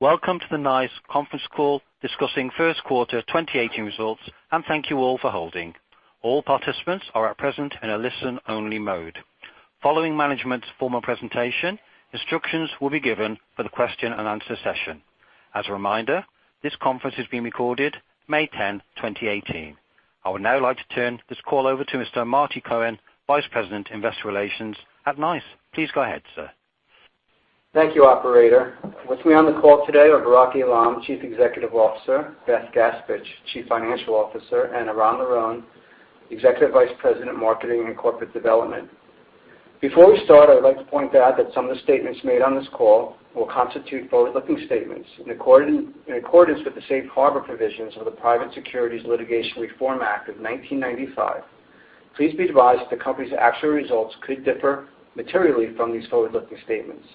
Welcome to the NICE conference call discussing first quarter 2018 results. Thank you all for holding. All participants are at present in a listen-only mode. Following management's formal presentation, instructions will be given for the question and answer session. As a reminder, this conference is being recorded May 10, 2018. I would now like to turn this call over to Mr. Marty Cohen, Vice President, Investor Relations at NICE. Please go ahead, sir. Thank you, operator. With me on the call today are Barak Eilam, Chief Executive Officer, Beth Gaspich, Chief Financial Officer, Eran Liron, Executive Vice President, Marketing and Corporate Development. Before we start, I would like to point out that some of the statements made on this call will constitute forward-looking statements in accordance with the safe harbor provisions of the Private Securities Litigation Reform Act of 1995. Please be advised that the company's actual results could differ materially from these forward-looking statements.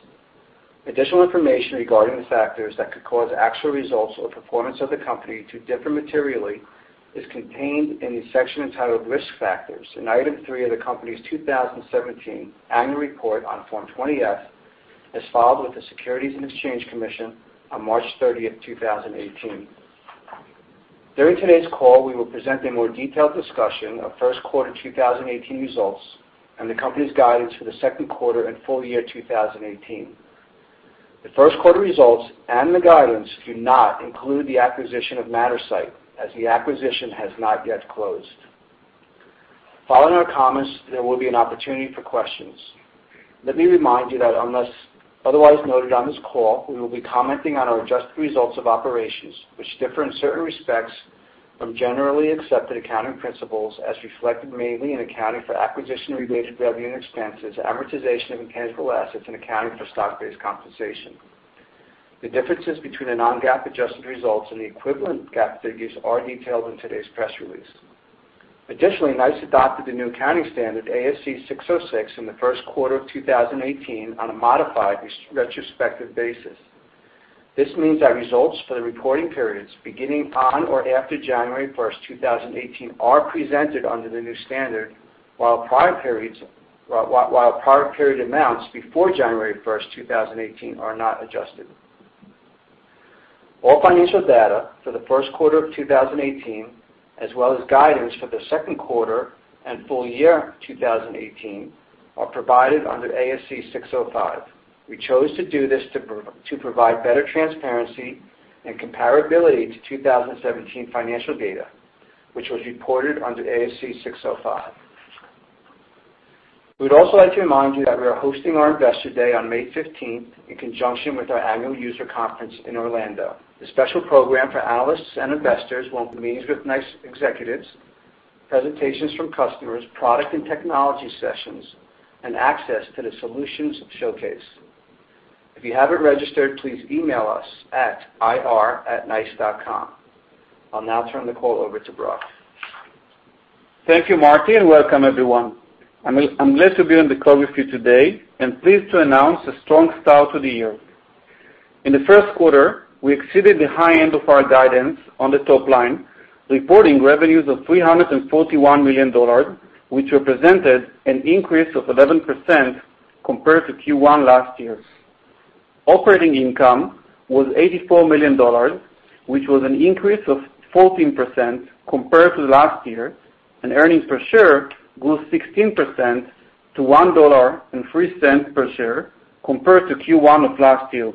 Additional information regarding the factors that could cause actual results or performance of the company to differ materially is contained in the section entitled Risk Factors in Item 3 of the company's 2017 annual report on Form 20-F, as filed with the Securities and Exchange Commission on March 30th, 2018. During today's call, we will present a more detailed discussion of first quarter 2018 results and the company's guidance for the second quarter and full year 2018. The first quarter results and the guidance do not include the acquisition of Mattersight, as the acquisition has not yet closed. Following our comments, there will be an opportunity for questions. Let me remind you that, unless otherwise noted on this call, we will be commenting on our adjusted results of operations, which differ in certain respects from Generally Accepted Accounting Principles as reflected mainly in accounting for acquisition-related revenue and expenses, amortization of intangible assets, and accounting for stock-based compensation. The differences between the non-GAAP adjusted results and the equivalent GAAP figures are detailed in today's press release. Additionally, NICE adopted the new accounting standard ASC 606 in the first quarter of 2018 on a modified retrospective basis. This means our results for the reporting periods beginning on or after January 1st, 2018, are presented under the new standard, while prior period amounts before January 1st, 2018, are not adjusted. All financial data for the first quarter of 2018, as well as guidance for the second quarter and full year 2018, are provided under ASC 605. We chose to do this to provide better transparency and comparability to 2017 financial data, which was reported under ASC 605. We'd also like to remind you that we are hosting our Investor Day on May 15th in conjunction with our annual user conference in Orlando. The special program for analysts and investors will include meetings with NICE executives, presentations from customers, product and technology sessions, and access to the solutions showcase. If you haven't registered, please email us at ir@nice.com. I'll now turn the call over to Barak. Thank you, Marty, and welcome everyone. I'm glad to be on the call with you today and pleased to announce a strong start to the year. In the first quarter, we exceeded the high end of our guidance on the top line, reporting revenues of $341 million, which represented an increase of 11% compared to Q1 last year. Operating income was $84 million, which was an increase of 14% compared to last year, and earnings per share grew 16% to $1.03 per share compared to Q1 of last year.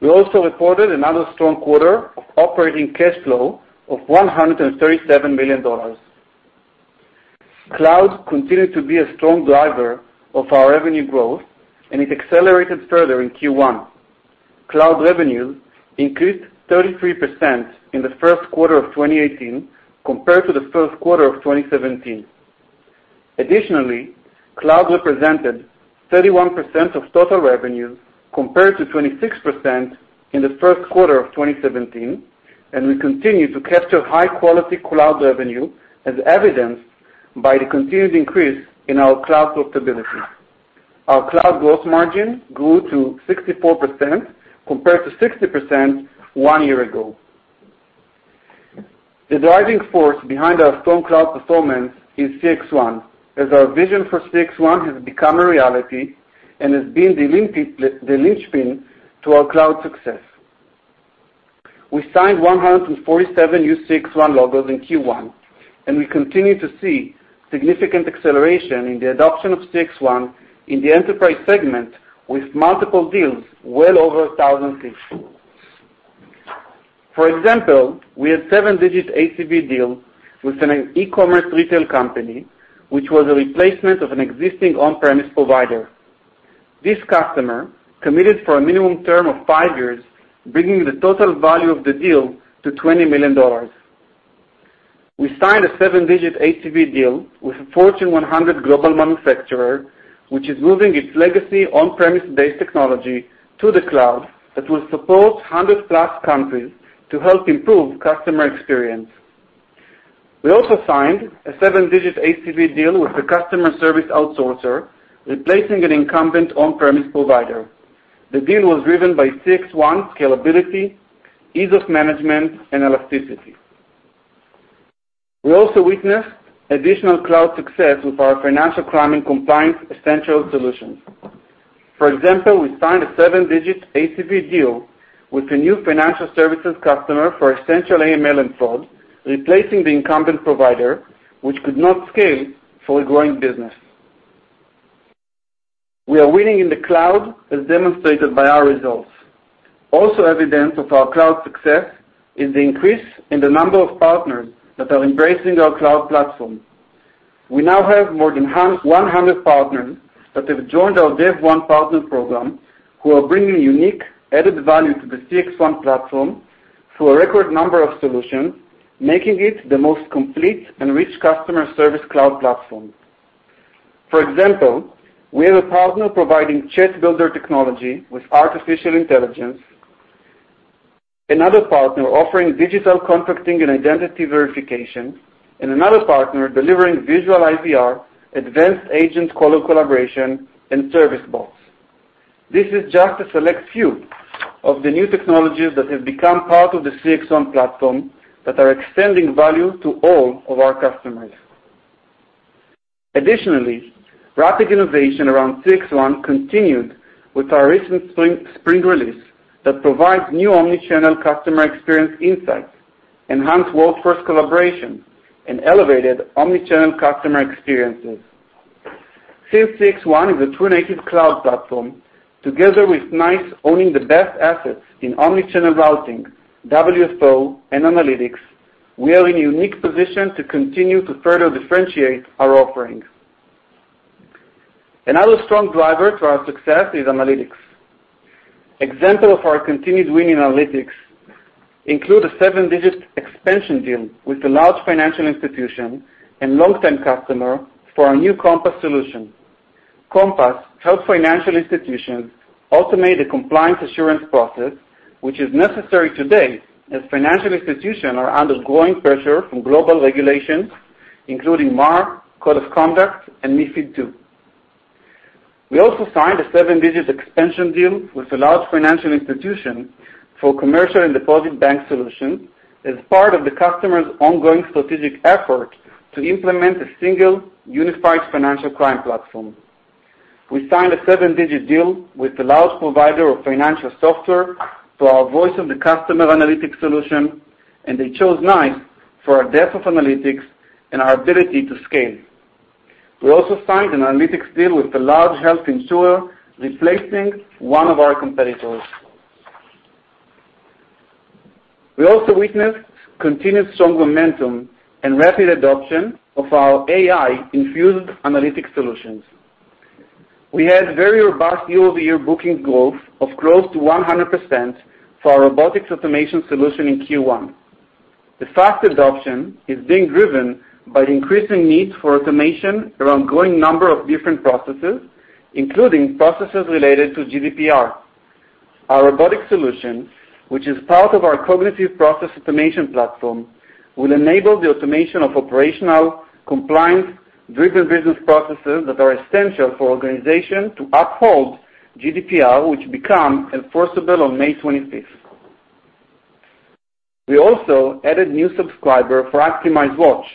We also reported another strong quarter of operating cash flow of $137 million. Cloud continued to be a strong driver of our revenue growth, and it accelerated further in Q1. Cloud revenues increased 33% in the first quarter of 2018 compared to the first quarter of 2017. Additionally, cloud represented 31% of total revenues compared to 26% in the first quarter of 2017, and we continue to capture high-quality cloud revenue, as evidenced by the continued increase in our cloud profitability. Our cloud gross margin grew to 64% compared to 60% one year ago. The driving force behind our strong cloud performance is CXone, as our vision for CXone has become a reality and has been the linchpin to our cloud success. We signed 147 new CXone logos in Q1, and we continue to see significant acceleration in the adoption of CXone in the enterprise segment with multiple deals well over 1,000 seats. For example, we had a seven-digit ACV deal with an e-commerce retail company, which was a replacement of an existing on-premise provider. This customer committed for a minimum term of five years, bringing the total value of the deal to $20 million. We signed a seven-digit ACV deal with a Fortune 100 global manufacturer, which is moving its legacy on-premise-based technology to the cloud that will support 100-plus countries to help improve customer experience. We also signed a seven-digit ACV deal with a customer service outsourcer, replacing an incumbent on-premise provider. The deal was driven by CXone scalability, ease of management, and elasticity. We also witnessed additional cloud success with our financial crime and compliance essential solutions. For example, we signed a seven-digit ACV deal with a new financial services customer for Essential AML and Fraud, replacing the incumbent provider, which could not scale for a growing business. We are winning in the cloud as demonstrated by our results. Also evidence of our cloud success is the increase in the number of partners that are embracing our cloud platform. We now have more than 100 partners that have joined our DEVone partner program, who are bringing unique added value to the CXone platform through a record number of solutions, making it the most complete and rich customer service cloud platform. For example, we have a partner providing chat builder technology with artificial intelligence, another partner offering digital contracting and identity verification, and another partner delivering visual IVR, advanced agent-caller collaboration, and service bots. This is just a select few of the new technologies that have become part of the CXone platform that are extending value to all of our customers. Additionally, rapid innovation around CXone continued with our recent spring release that provides new omni-channel customer experience insights, enhanced workforce collaboration, and elevated omni-channel customer experiences. Since CXone is a true native cloud platform, together with NICE owning the best assets in omni-channel routing, WFO, and analytics, we are in a unique position to continue to further differentiate our offerings. Another strong driver to our success is analytics. Example of our continued winning analytics include a 7-digit expansion deal with a large financial institution and long-time customer for our new NICE COMPASS solution. NICE COMPASS helps financial institutions automate the compliance assurance process, which is necessary today as financial institutions are under growing pressure from global regulations, including MAR, Code of Conduct, and MiFID II. We also signed a 7-digit expansion deal with a large financial institution for commercial and deposit bank solutions as part of the customer's ongoing strategic effort to implement a single unified financial crime platform. We signed a 7-digit deal with a large provider of financial software for our Voice of the Customer analytics solution, and they chose NICE for our depth of analytics and our ability to scale. We also signed an analytics deal with a large health insurer, replacing one of our competitors. We also witnessed continued strong momentum and rapid adoption of our AI-infused analytics solutions. We had very robust year-over-year booking growth of close to 100% for our robotics automation solution in Q1. The fast adoption is being driven by the increasing need for automation around growing number of different processes, including processes related to GDPR. Our robotic solution, which is part of our cognitive process automation platform, will enable the automation of operational, compliance-driven business processes that are essential for organizations to uphold GDPR, which become enforceable on May 25th. We also added new subscriber for Actimize Watch,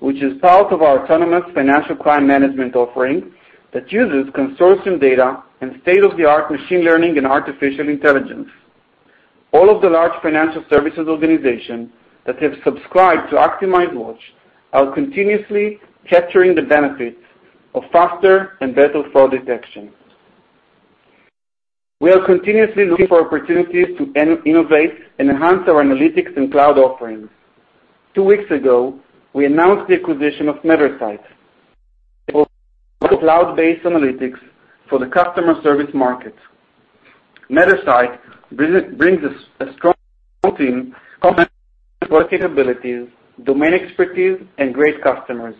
which is part of our autonomous financial crime management offering that uses consortium data and state-of-the-art machine learning and artificial intelligence. All of the large financial services organizations that have subscribed to Actimize Watch are continuously capturing the benefits of faster and better fraud detection. We are continuously looking for opportunities to innovate and enhance our analytics and cloud offerings. Two weeks ago, we announced the acquisition of Mattersight, a cloud-based analytics for the customer service market. Mattersight brings a strong team capabilities, domain expertise, and great customers.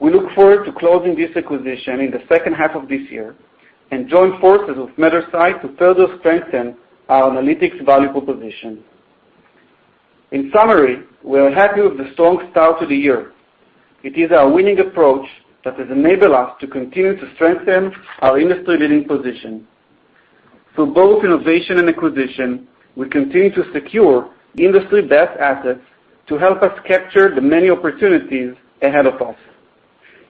We look forward to closing this acquisition in the second half of this year and join forces with Mattersight to further strengthen our analytics value proposition. In summary, we are happy with the strong start to the year. It is our winning approach that has enabled us to continue to strengthen our industry-leading position. Through both innovation and acquisition, we continue to secure industry-best assets to help us capture the many opportunities ahead of us,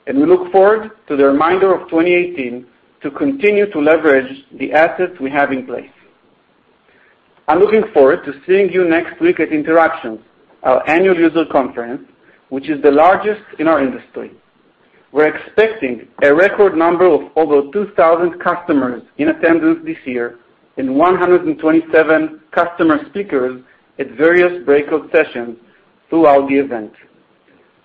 and we look forward to the remainder of 2018 to continue to leverage the assets we have in place. I'm looking forward to seeing you next week at Interactions, our annual user conference, which is the largest in our industry. We're expecting a record number of over 2,000 customers in attendance this year and 127 customer speakers at various breakout sessions throughout the event.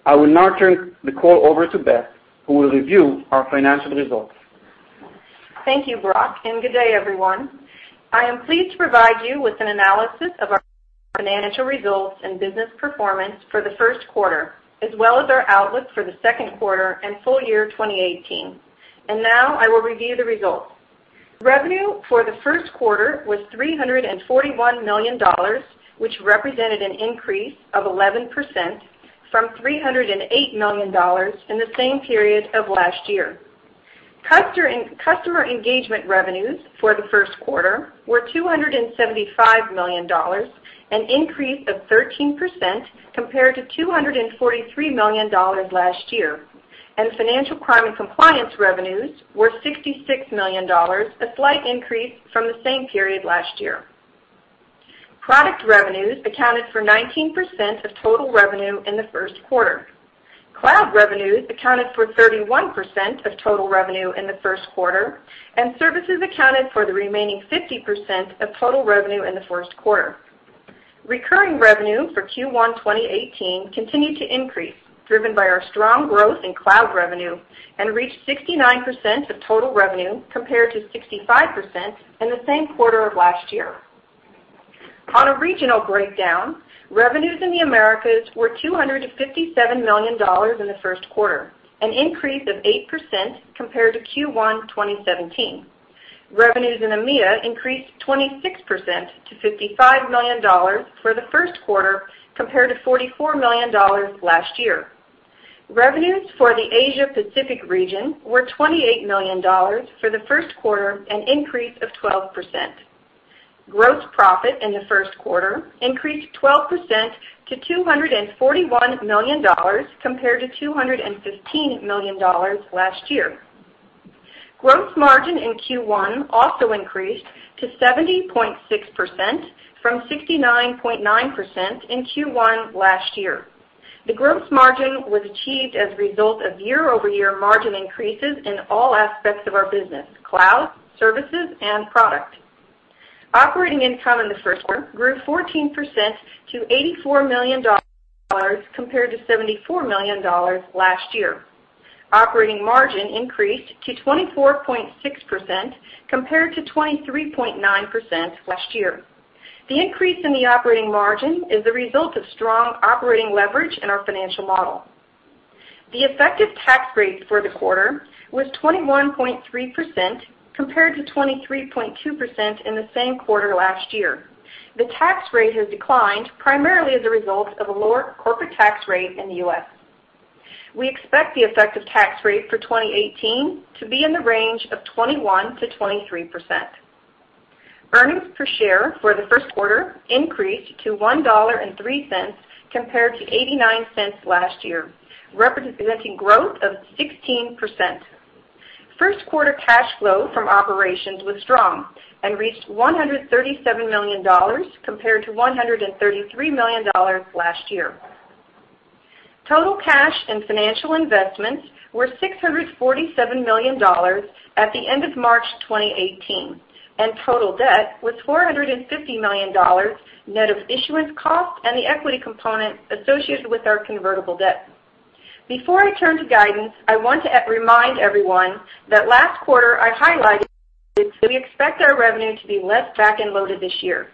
I will now turn the call over to Beth, who will review our financial results. Thank you, Barak, good day, everyone. I am pleased to provide you with an analysis of our financial results and business performance for the first quarter, as well as our outlook for the second quarter and full year 2018. Now I will review the results. Revenue for the first quarter was $341 million, which represented an increase of 11% from $308 million in the same period of last year. Customer engagement revenues for the first quarter were $275 million, an increase of 13% compared to $243 million last year, and financial crime and compliance revenues were $66 million, a slight increase from the same period last year. Product revenues accounted for 19% of total revenue in the first quarter. Cloud revenues accounted for 31% of total revenue in the first quarter, and services accounted for the remaining 50% of total revenue in the first quarter. Recurring revenue for Q1 2018 continued to increase, driven by our strong growth in cloud revenue, reached 69% of total revenue compared to 65% in the same quarter of last year. On a regional breakdown, revenues in the Americas were $257 million in the first quarter, an increase of 8% compared to Q1 2017. Revenues in EMEA increased 26% to $55 million for the first quarter, compared to $44 million last year. Revenues for the Asia Pacific region were $28 million for the first quarter, an increase of 12%. Gross profit in the first quarter increased 12% to $241 million, compared to $215 million last year. Gross margin in Q1 also increased to 70.6%, from 69.9% in Q1 last year. The gross margin was achieved as a result of year-over-year margin increases in all aspects of our business, cloud, services, and product. Operating income in the first quarter grew 14% to $84 million compared to $74 million last year. Operating margin increased to 24.6% compared to 23.9% last year. The increase in the operating margin is the result of strong operating leverage in our financial model. The effective tax rate for the quarter was 21.3%, compared to 23.2% in the same quarter last year. The tax rate has declined primarily as a result of a lower corporate tax rate in the U.S. We expect the effective tax rate for 2018 to be in the range of 21%-23%. Earnings per share for the first quarter increased to $1.03 compared to $0.89 last year, representing growth of 16%. First quarter cash flow from operations was strong and reached $137 million compared to $133 million last year. Total cash and financial investments were $647 million at the end of March 2018, and total debt was $450 million net of issuance cost and the equity component associated with our convertible debt. Before I turn to guidance, I want to remind everyone that last quarter I highlighted that we expect our revenue to be less back-end loaded this year.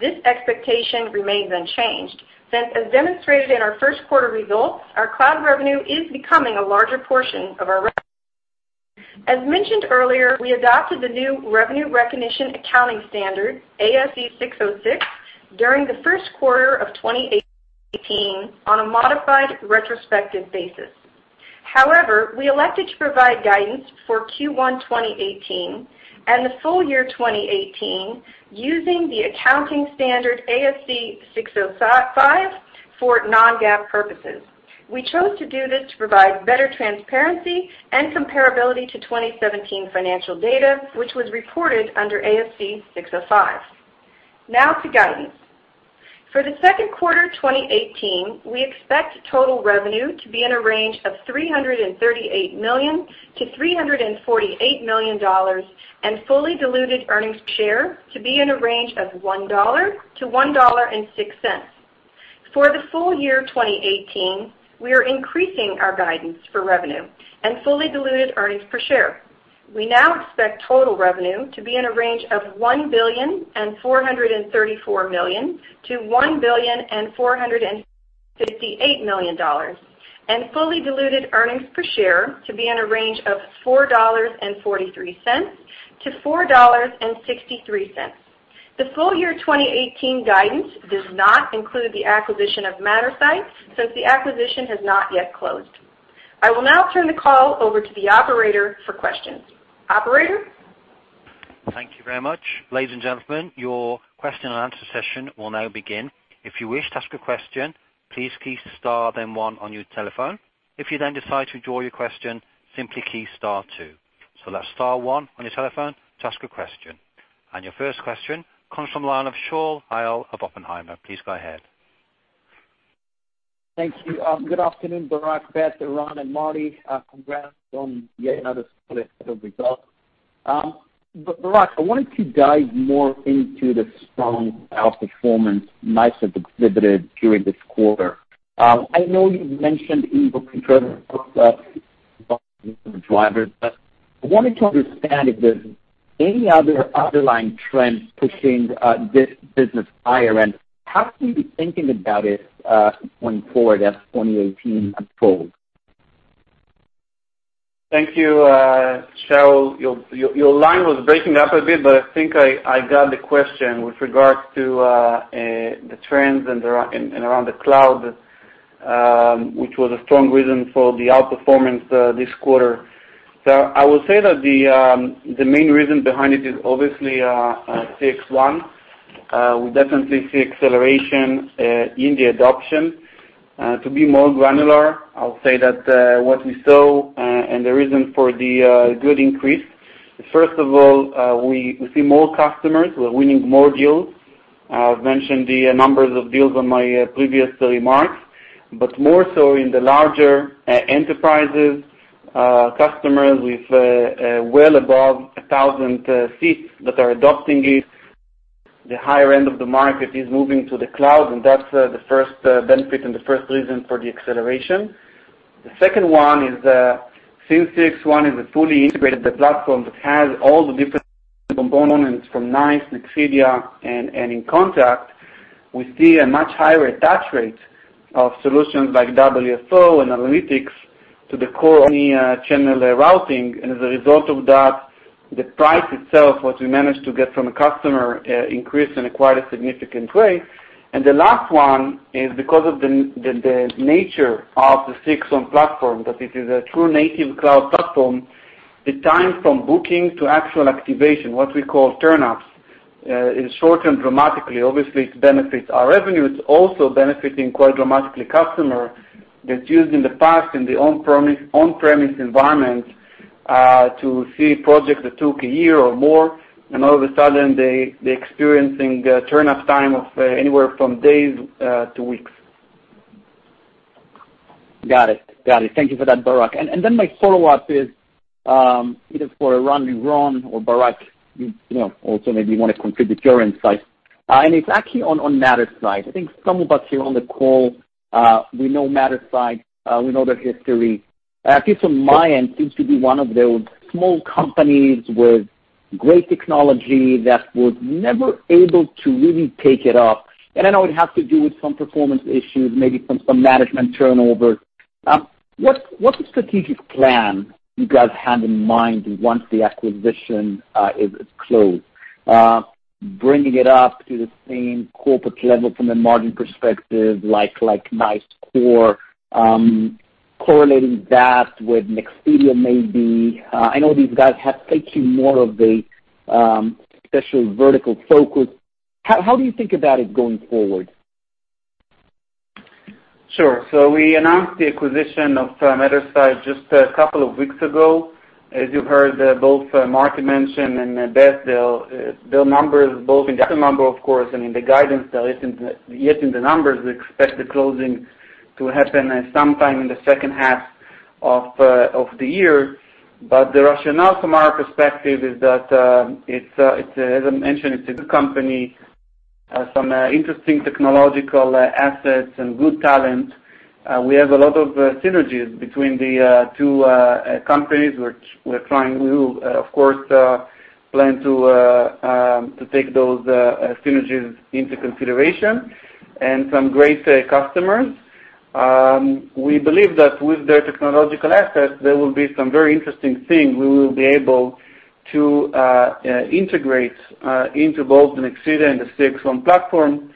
This expectation remains unchanged, since as demonstrated in our first quarter results, our cloud revenue is becoming a larger portion of our revenue. As mentioned earlier, we adopted the new revenue recognition accounting standard, ASC 606, during the first quarter of 2018 on a modified retrospective basis. However, we elected to provide guidance for Q1 2018 and the full year 2018 using the accounting standard ASC 605 for non-GAAP purposes. We chose to do this to provide better transparency and comparability to 2017 financial data, which was reported under ASC 605. Now to guidance. For the second quarter 2018, we expect total revenue to be in a range of $338 million-$348 million and fully diluted earnings per share to be in a range of $1-$1.06. For the full year 2018, we are increasing our guidance for revenue and fully diluted earnings per share. We now expect total revenue to be in a range of $1,434,000,000-$1,458,000,000, and fully diluted earnings per share to be in a range of $4.43-$4.63. The full year 2018 guidance does not include the acquisition of Mattersight since the acquisition has not yet closed. I will now turn the call over to the operator for questions. Operator? Thank you very much. Ladies and gentlemen, your question and answer session will now begin. If you wish to ask a question, please key star one on your telephone. If you then decide to withdraw your question, simply key star two. That's star one on your telephone to ask a question. Your first question comes from the line of Shaul Eyal of Oppenheimer. Please go ahead. Thank you. Good afternoon, Barak, Beth, Eran, and Marty. Congrats on yet another set of results. Barak, I wanted to dive more into the strong outperformance NICE has exhibited during this quarter. I know you've mentioned e-book, but I wanted to understand if there's any other underlying trends pushing this business higher, and how can we be thinking about it going forward as 2018 unfolds? Thank you, Shaul. Your line was breaking up a bit. I think I got the question with regards to the trends and around the cloud Which was a strong reason for the outperformance this quarter. I would say that the main reason behind it is obviously CXone. We definitely see acceleration in the adoption. To be more granular, I'll say that what we saw, and the reason for the good increase, first of all, we see more customers. We're winning more deals. I've mentioned the numbers of deals on my previous remarks, but more so in the larger enterprises, customers with well above 1,000 seats that are adopting it. The higher end of the market is moving to the cloud, and that's the first benefit and the first reason for the acceleration. The second one is, since CXone is a fully integrated platform that has all the different components from NICE, Nexidia, and inContact, we see a much higher attach rate of solutions like WFO and analytics to the core channel routing. As a result of that, the price itself, what we managed to get from a customer, increased in quite a significant way. The last one is because of the nature of the CXone platform, that it is a true native cloud platform. The time from booking to actual activation, what we call turnups, is shortened dramatically. Obviously, it benefits our revenue. It's also benefiting, quite dramatically, customer that used, in the past, in the on-premise environment, to see projects that took one year or more. All of a sudden, they're experiencing turnup time of anywhere from days to weeks. Got it. Thank you for that, Barak. My follow-up is either for Eran or Barak, also maybe you want to contribute your insight. It's actually on Mattersight. I think some of us here on the call, we know Mattersight. We know their history. At least from my end, seems to be one of those small companies with great technology that was never able to really take it off. I know it has to do with some performance issues, maybe some management turnover. What's the strategic plan you guys had in mind once the acquisition is closed? Bringing it up to the same corporate level from a margin perspective, like NICE core, correlating that with Nexidia, maybe. I know these guys have taken more of a special vertical focus. How do you think about it going forward? Sure. We announced the acquisition of Mattersight just a couple of weeks ago. As you heard, both Barak mentioned and Beth, the numbers, both in data number, of course, and in the guidance that isn't yet in the numbers. We expect the closing to happen sometime in the second half of the year. The rationale from our perspective is that, as I mentioned, it's a good company. Some interesting technological assets and good talent. We have a lot of synergies between the two companies, which we're trying. We, of course, plan to take those synergies into consideration and some great customers. We believe that with their technological assets, there will be some very interesting things we will be able to integrate into both Nexidia and the CXone platform,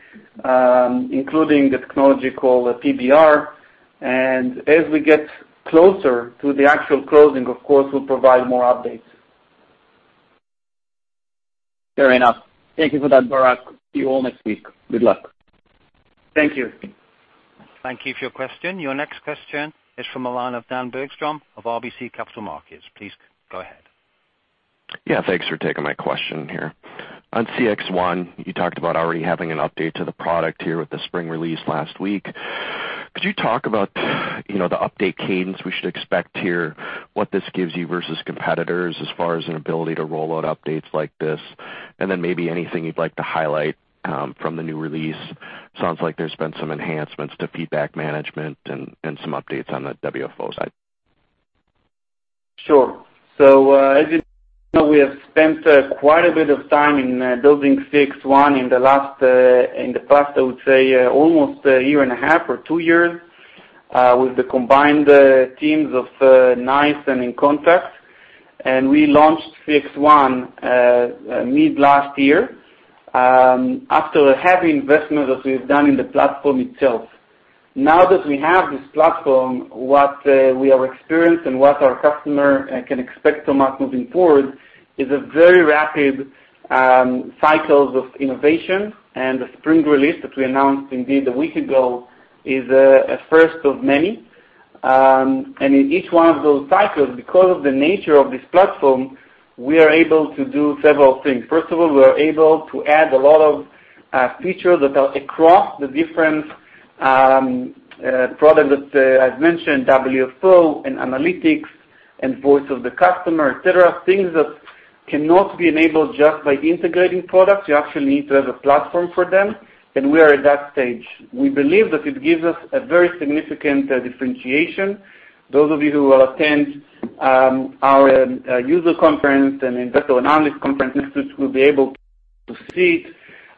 including the technology called PBR. As we get closer to the actual closing, of course, we'll provide more updates. Fair enough. Thank you for that, Barak. See you all next week. Good luck. Thank you. Thank you for your question. Your next question is from the line of Dan Bergstrom of RBC Capital Markets. Please go ahead. Yeah, thanks for taking my question here. On CXone, you talked about already having an update to the product here with the spring release last week. Could you talk about the update cadence we should expect here, what this gives you versus competitors as far as an ability to roll out updates like this, and then maybe anything you'd like to highlight from the new release? Sounds like there's been some enhancements to feedback management and some updates on the WFO side. Sure. As you know, we have spent quite a bit of time in building CXone in the last, I would say, almost a year and a half or two years, with the combined teams of NICE and inContact. We launched CXone mid-last year, after a heavy investment that we've done in the platform itself. Now that we have this platform, what we are experienced and what our customer can expect from us moving forward is a very rapid cycles of innovation. The spring release that we announced indeed one week ago is a first of many. In each one of those cycles, because of the nature of this platform, we are able to do several things. First of all, we are able to add a lot of features that are across the different products that I've mentioned, WFO and analytics and Voice of the Customer, et cetera. Things that cannot be enabled just by integrating products. You actually need to have a platform for them. We are at that stage. We believe that it gives us a very significant differentiation. Those of you who will attend our user conference and investor analyst conference, next week, will be able to see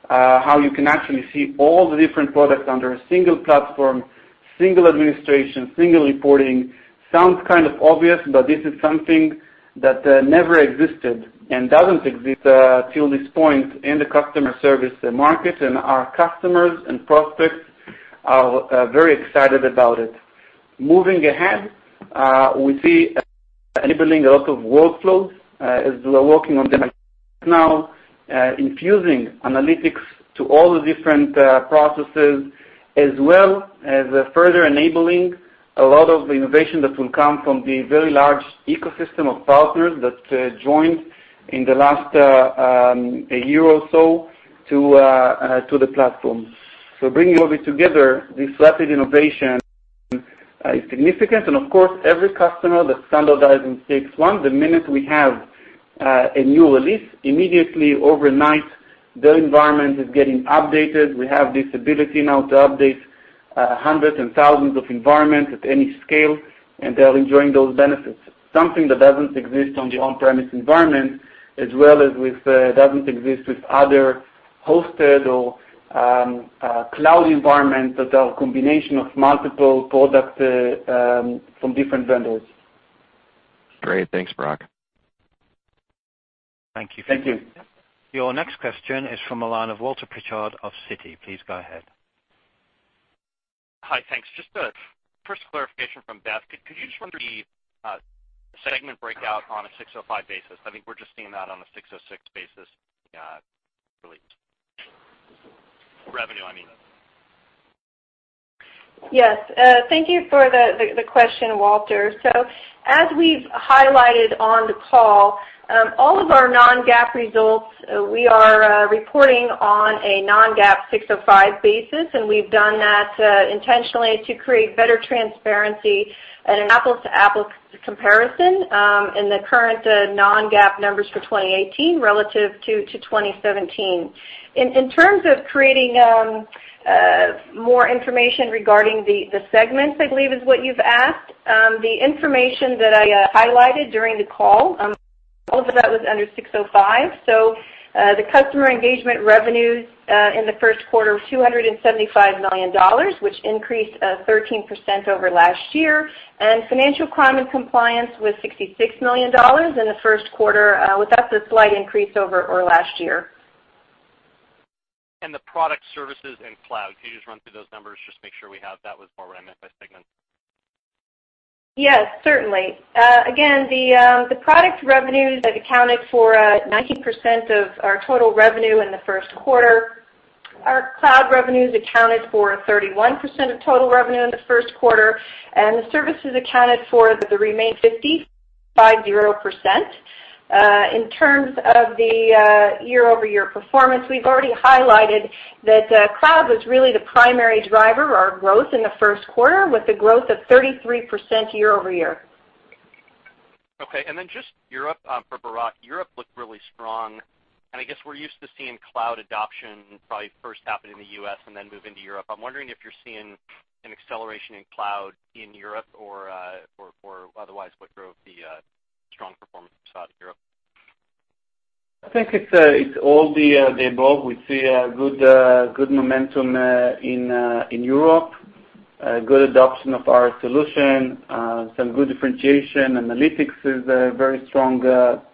how you can actually see all the different products under a single platform, single administration, single reporting. Sounds kind of obvious, this is something that never existed and doesn't exist till this point in the customer service market, and our customers and prospects are very excited about it. Moving ahead, we see enabling a lot of workflows as we're working on them right now, infusing analytics to all the different processes, as well as further enabling a lot of the innovation that will come from the very large ecosystem of partners that joined in the last year or so to the platform. Bringing all this together, this rapid innovation is significant. Of course, every customer that standardizes in CXone, the minute we have a new release, immediately overnight, their environment is getting updated. We have this ability now to update hundreds and thousands of environments at any scale, and they're enjoying those benefits. Something that doesn't exist on the on-premise environment as well as doesn't exist with other hosted or cloud environments that are a combination of multiple products from different vendors. Great. Thanks, Barak. Thank you. Thank you. Your next question is from the line of Walter Pritchard of Citi. Please go ahead. Hi. Thanks. Just a first clarification from Beth. Could you just run the segment breakout on a 605 basis? I think we're just seeing that on a 606 basis, really. Revenue, I mean. Yes. Thank you for the question, Walter. As we've highlighted on the call, all of our non-GAAP results, we are reporting on a non-GAAP ASC 605 basis, and we've done that intentionally to create better transparency and an apples-to-apples comparison in the current non-GAAP numbers for 2018 relative to 2017. In terms of creating more information regarding the segments, I believe is what you've asked, the information that I highlighted during the call, all of that was under ASC 605. The customer engagement revenues in the first quarter was $275 million, which increased 13% over last year, and financial crime and compliance was $66 million in the first quarter, with that's a slight increase over last year. The product services and cloud. Can you just run through those numbers just to make sure we have that, was more what I meant by segment? Yes, certainly. Again, the product revenues accounted for 19% of our total revenue in the first quarter. Our cloud revenues accounted for 31% of total revenue in the first quarter, and the services accounted for the remaining 50%. In terms of the year-over-year performance, we've already highlighted that cloud was really the primary driver of growth in the first quarter, with a growth of 33% year-over-year. Okay. Then just Europe for Barak. Europe looked really strong, and I guess we're used to seeing cloud adoption probably first happen in the U.S. and then move into Europe. I'm wondering if you're seeing an acceleration in cloud in Europe or otherwise, what drove the strong performance you saw out of Europe? I think it's all the above. We see good momentum in Europe, good adoption of our solution, some good differentiation. Analytics is very strong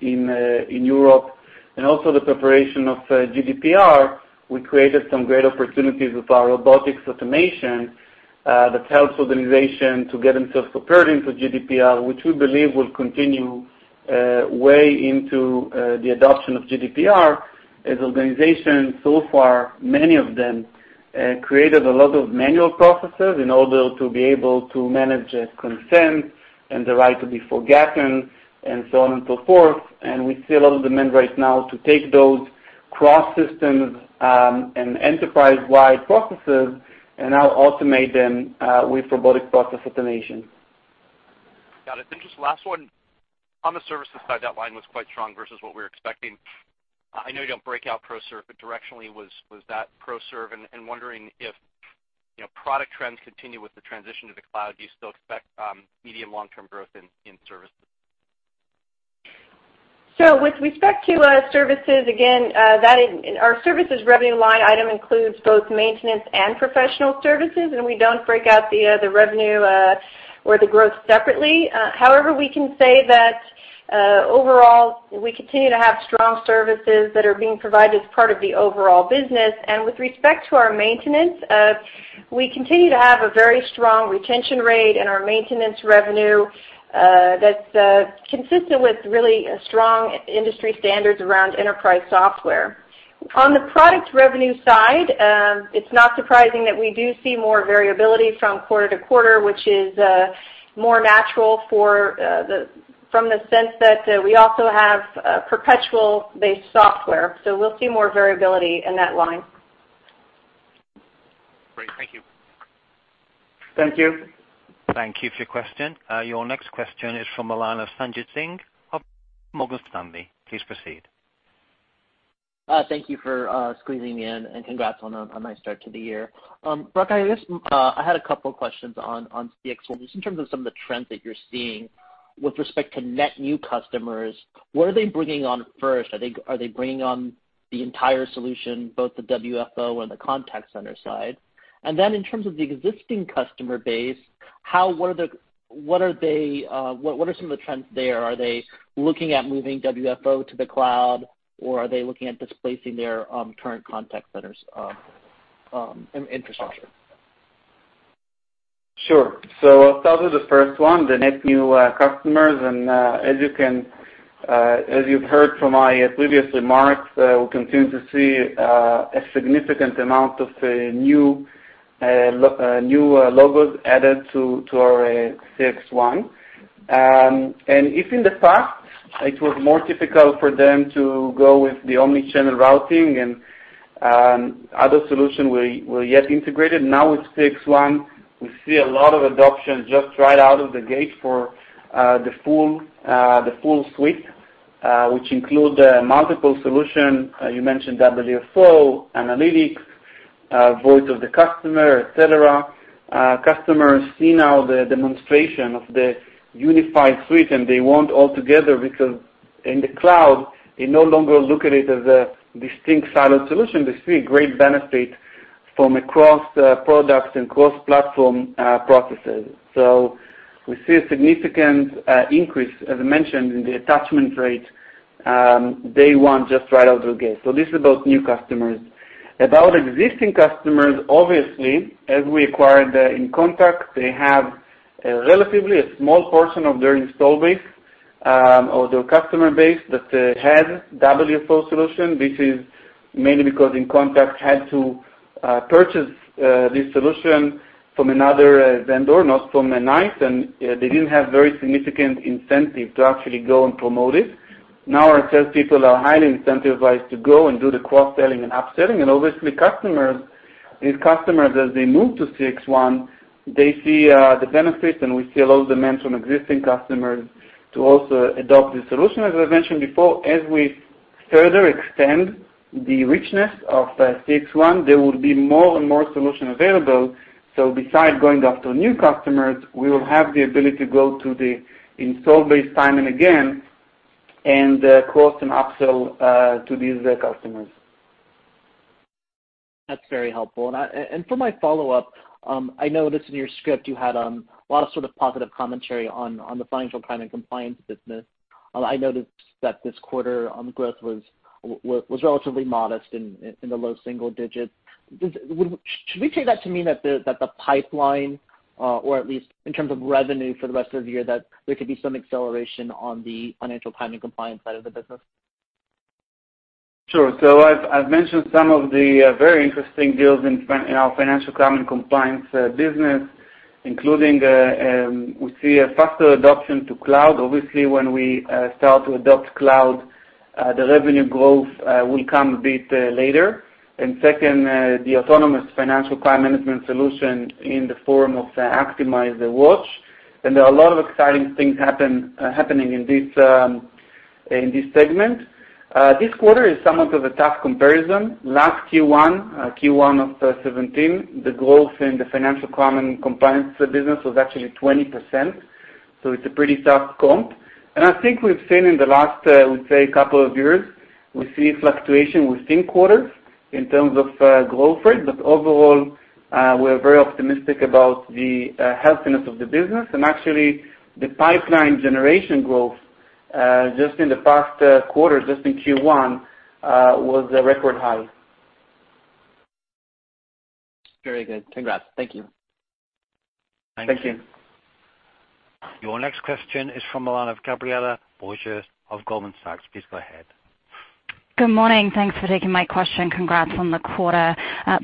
in Europe. Also the preparation of GDPR, we created some great opportunities with our robotics automation that helps organizations to get themselves prepared into GDPR, which we believe will continue way into the adoption of GDPR as organizations so far, many of them, created a lot of manual processes in order to be able to manage consent and the right to be forgotten, and so on and so forth. We see a lot of demand right now to take those cross-system and enterprise-wide processes and now automate them with robotic process automation. Got it. Just last one. On the services side, that line was quite strong versus what we were expecting. I know you don't break out pro serve, but directionally, was that pro serve? Wondering if product trends continue with the transition to the cloud, do you still expect medium, long-term growth in services? With respect to services, again, our services revenue line item includes both maintenance and professional services, and we don't break out the revenue or the growth separately. However, we can say that overall, we continue to have strong services that are being provided as part of the overall business. With respect to our maintenance, we continue to have a very strong retention rate in our maintenance revenue that's consistent with really strong industry standards around enterprise software. On the product revenue side, it's not surprising that we do see more variability from quarter to quarter, which is more natural from the sense that we also have perpetual-based software. We'll see more variability in that line. Great. Thank you. Thank you. Thank you for your question. Your next question is from the line of Sanjit Singh of Morgan Stanley. Please proceed. Thank you for squeezing me in, and congrats on a nice start to the year. Barak, I had a couple of questions on CXone, just in terms of some of the trends that you're seeing With respect to net new customers, what are they bringing on first? Are they bringing on the entire solution, both the WFO and the contact center side? And then in terms of the existing customer base, what are some of the trends there? Are they looking at moving WFO to the cloud, or are they looking at displacing their current contact centers infrastructure? Sure. I'll start with the first one, the net new customers. As you've heard from my previous remarks, we continue to see a significant amount of new logos added to our CXone. If in the past it was more difficult for them to go with the omni-channel routing and other solution we yet integrated, now with CXone, we see a lot of adoption just right out of the gate for the full suite, which include multiple solution, you mentioned WFO, analytics, Voice of the Customer, et cetera. Customers see now the demonstration of the unified suite, and they want altogether because in the cloud, they no longer look at it as a distinct siloed solution. They see a great benefit from across products and cross-platform processes. We see a significant increase, as I mentioned, in the attachment rate day one, just right out the gate. This is about new customers. About existing customers, obviously, as we acquired inContact, they have relatively a small portion of their install base, or their customer base that has WFO solution. This is mainly because inContact had to purchase this solution from another vendor, not from NICE, and they didn't have very significant incentive to actually go and promote it. Our sales people are highly incentivized to go and do the cross-selling and upselling. Obviously, these customers, as they move to CXone, they see the benefits, and we see a lot of demand from existing customers to also adopt the solution. As I mentioned before, as we further extend the richness of CXone, there will be more and more solution available. Besides going after new customers, we will have the ability to go to the install base time and again and cross and upsell to these customers. That's very helpful. For my follow-up, I noticed in your script you had a lot of sort of positive commentary on the financial crime and compliance business. I noticed that this quarter growth was relatively modest in the low single digits. Should we take that to mean that the pipeline, or at least in terms of revenue for the rest of the year, that there could be some acceleration on the financial crime and compliance side of the business? Sure. I've mentioned some of the very interesting deals in our financial crime and compliance business, including we see a faster adoption to cloud. Obviously, when we start to adopt cloud, the revenue growth will come a bit later. Second, the autonomous financial crime management solution in the form of Actimize Watch. There are a lot of exciting things happening in this segment. This quarter is somewhat of a tough comparison. Last Q1 of 2017, the growth in the financial crime and compliance business was actually 20%. It's a pretty tough comp. I think we've seen in the last, I would say, couple of years, we see fluctuation within quarters in terms of growth rate. Overall, we're very optimistic about the healthiness of the business. Actually, the pipeline generation growth, just in the past quarter, just in Q1, was a record high. Very good. Congrats. Thank you. Thank you. Your next question is from the line of Gabriela Borges of Goldman Sachs. Please go ahead. Good morning. Thanks for taking my question. Congrats on the quarter.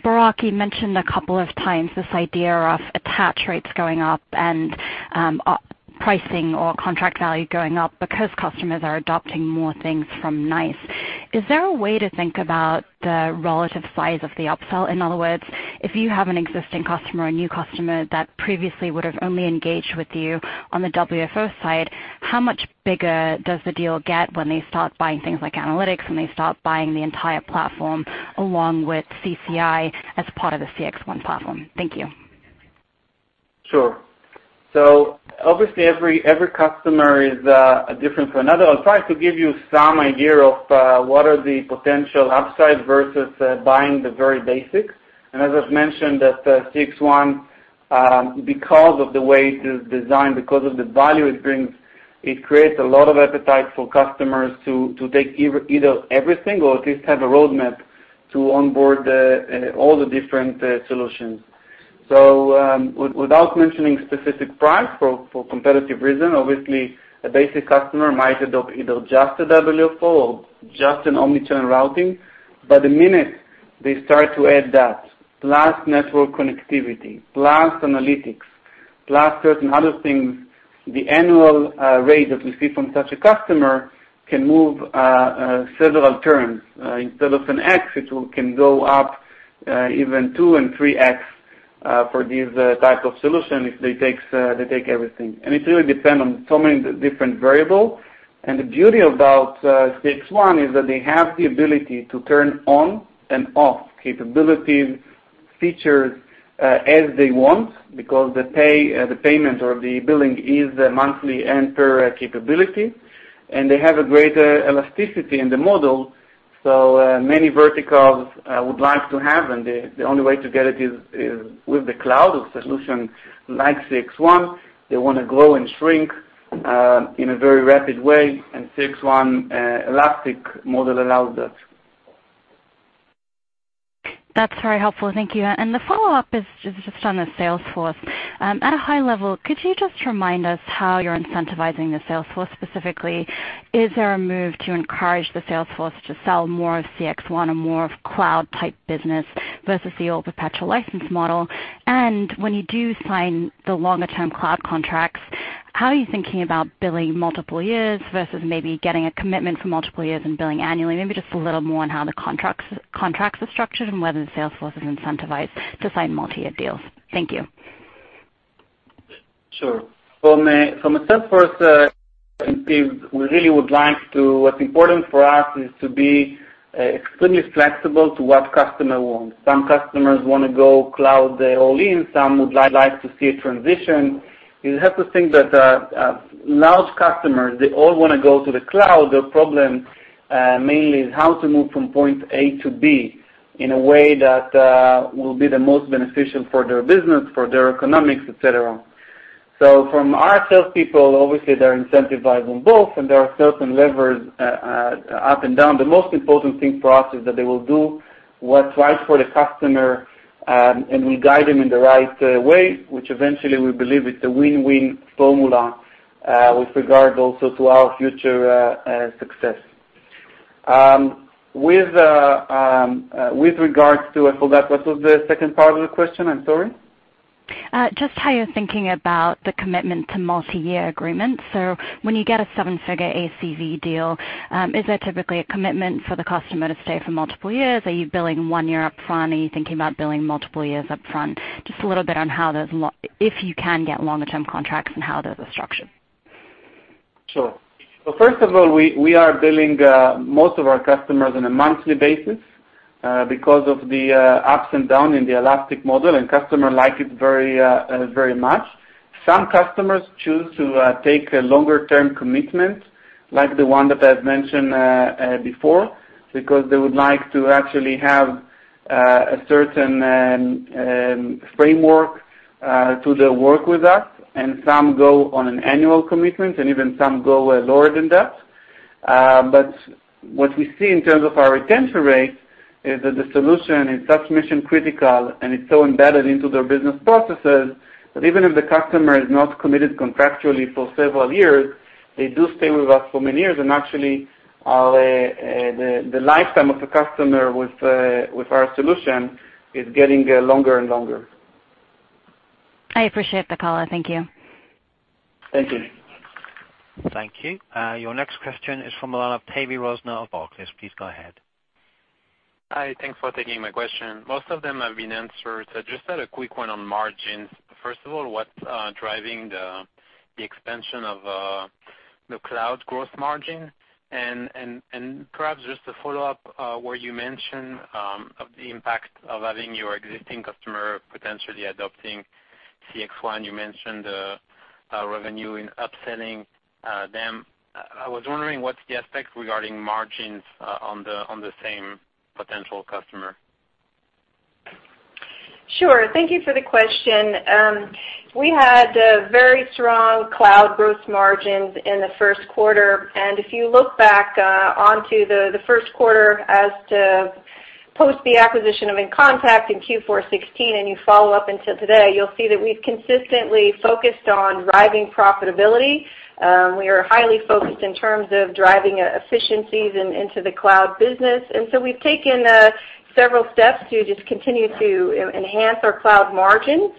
Barak, you mentioned a couple of times this idea of attach rates going up and pricing or contract value going up because customers are adopting more things from NICE. Is there a way to think about the relative size of the upsell? In other words, if you have an existing customer or a new customer that previously would've only engaged with you on the WFO side, how much bigger does the deal get when they start buying things like analytics and they start buying the entire platform along with ACD as part of the CXone platform? Thank you. Sure. Obviously, every customer is different from another. I'll try to give you some idea of what are the potential upsides versus buying the very basics. As I've mentioned, that CXone, because of the way it is designed, because of the value it brings, it creates a lot of appetite for customers to take either everything or at least have a roadmap to onboard all the different solutions. Without mentioning specific price for competitive reason, obviously, a basic customer might adopt either just a WFO or just an omni-channel routing. The minute they start to add that, plus network connectivity, plus analytics, plus certain other things, the annual rate that we see from such a customer can move several turns. Instead of an X, it can go up even 2 and 3x for these type of solution, if they take everything. It really depend on so many different variable. The beauty about CXone is that they have the ability to turn on and off capabilities Features as they want because the payment or the billing is monthly and per capability, and they have a greater elasticity in the model. Many verticals would like to have, and the only way to get it is with the cloud solution, like CXone. They want to grow and shrink in a very rapid way, and CXone elastic model allows that. That's very helpful. Thank you. The follow-up is just on the sales force. At a high level, could you just remind us how you're incentivizing the sales force specifically? Is there a move to encourage the sales force to sell more of CXone and more of cloud type business versus the old perpetual license model? When you do sign the longer-term cloud contracts, how are you thinking about billing multiple years versus maybe getting a commitment for multiple years and billing annually? Maybe just a little more on how the contracts are structured and whether the sales force is incentivized to sign multi-year deals. Thank you. Sure. From a sales force, what's important for us is to be extremely flexible to what customer wants. Some customers want to go cloud all in. Some would like to see a transition. You have to think that large customers, they all want to go to the cloud. Their problem, mainly, is how to move from point A to B in a way that will be the most beneficial for their business, for their economics, et cetera. From our sales people, obviously, they're incentivizing both, and there are certain levers up and down. The most important thing for us is that they will do what's right for the customer, and we guide them in the right way, which eventually we believe is the win-win formula, with regard also to our future success. With regards to, hold up, what was the second part of the question? I'm sorry. Just how you're thinking about the commitment to multi-year agreements. When you get a seven-figure ACV deal, is there typically a commitment for the customer to stay for multiple years? Are you billing one year up front? Are you thinking about billing multiple years up front? Just a little bit on if you can get longer-term contracts and how those are structured. Sure. First of all, we are billing most of our customers on a monthly basis because of the ups and down in the elastic model, and customer like it very much. Some customers choose to take a longer-term commitment, like the one that I've mentioned before, because they would like to actually have a certain framework to their work with us, and some go on an annual commitment, and even some go lower than that. What we see in terms of our retention rate is that the solution is such mission-critical, and it's so embedded into their business processes, that even if the customer is not committed contractually for several years, they do stay with us for many years. Actually, the lifetime of the customer with our solution is getting longer and longer. I appreciate the color. Thank you. Thank you. Thank you. Your next question is from the line of Tavy Rosner of Barclays. Please go ahead. Hi. Thanks for taking my question. Most of them have been answered. Just had a quick one on margins. First of all, what's driving the expansion of the cloud gross margin? Perhaps just to follow up, where you mentioned of the impact of having your existing customer potentially adopting CXone, you mentioned revenue in upselling them. I was wondering what's the effect regarding margins on the same potential customer. Sure. Thank you for the question. We had very strong cloud gross margins in the first quarter. If you look back onto the first quarter as to post the acquisition of inContact in Q4 2016, and you follow up until today, you'll see that we've consistently focused on driving profitability. We are highly focused in terms of driving efficiencies into the cloud business. We've taken several steps to just continue to enhance our cloud margins.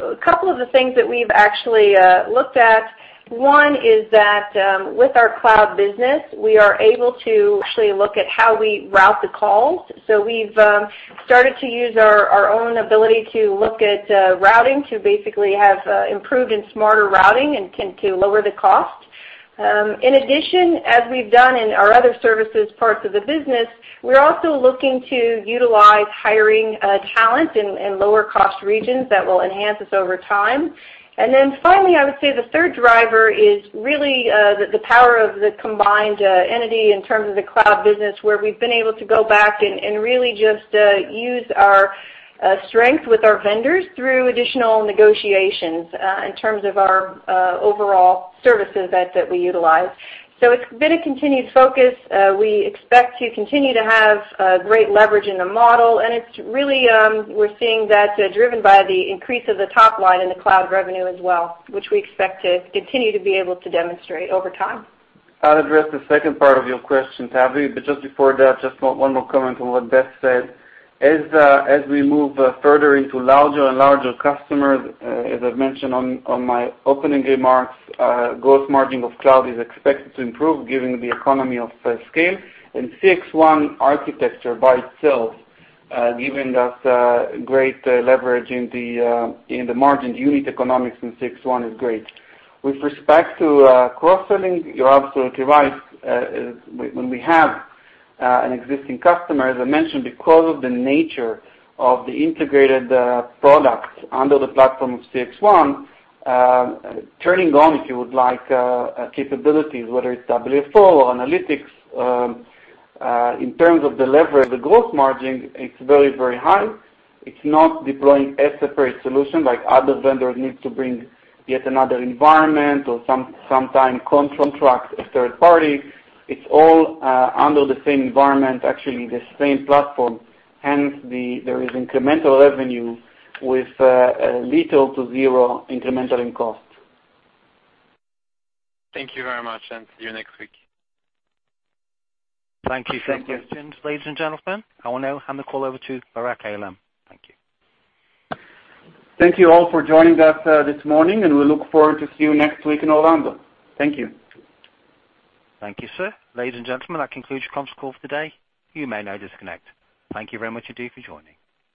A couple of the things that we've actually looked at, one is that, with our cloud business, we are able to actually look at how we route the calls. We've started to use our own ability to look at routing to basically have improved and smarter routing and to lower the cost. In addition, as we've done in our other services parts of the business, we're also looking to utilize hiring talent in lower cost regions that will enhance us over time. Finally, I would say the third driver is really the power of the combined entity in terms of the cloud business, where we've been able to go back and really just use our strength with our vendors through additional negotiations, in terms of our overall services that we utilize. It's been a continued focus. We expect to continue to have great leverage in the model, it's really, we're seeing that driven by the increase of the top line in the cloud revenue as well, which we expect to continue to be able to demonstrate over time. I'll address the second part of your question, Tavy. Just before that, just one more comment on what Beth said. As we move further into larger and larger customers, as I've mentioned on my opening remarks, gross margin of cloud is expected to improve given the economy of scale. CXone architecture by itself, giving us great leverage in the margin unit economics, and CXone is great. With respect to cross-selling, you're absolutely right. When we have an existing customer, as I mentioned, because of the nature of the integrated products under the platform of CXone, turning on, if you would like, capabilities, whether it's WFO or analytics, in terms of the leverage, the gross margin is very, very high. It's not deploying a separate solution like other vendors need to bring yet another environment or sometime contract a third party. It's all under the same environment, actually the same platform, hence there is incremental revenue with little to zero incremental in cost. Thank you very much. See you next week. Thank you for your questions, ladies and gentlemen. I will now hand the call over to Barak Eilam. Thank you. Thank you all for joining us this morning, and we look forward to seeing you next week in Orlando. Thank you. Thank you, sir. Ladies and gentlemen, that concludes your conference call for today. You may now disconnect. Thank you very much indeed for joining.